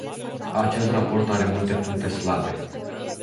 Acest raport are multe puncte slabe.